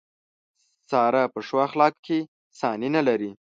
ساره په ښو اخلاقو کې ثاني نه لري.